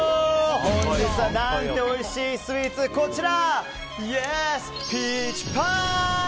本日は何ておいしいスイーツこちら！